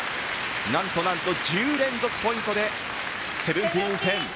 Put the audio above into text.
何と何と、１０連続ポイントで１７‐１０。